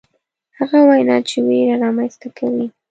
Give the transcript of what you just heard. هغه وینا چې ویره رامنځته کوي.